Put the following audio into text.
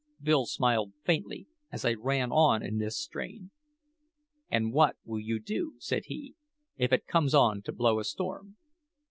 Bill smiled faintly as I ran on in this strain. "And what will you do," said he, "if it comes on to blow a storm?"